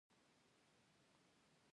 ماشوم ولې مینې ته اړتیا لري؟